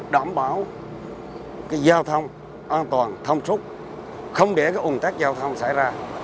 đảm bảo giao thông an toàn thông trúc không để ủng tác giao thông xảy ra